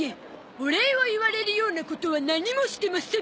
お礼を言われるようなことは何もしてません！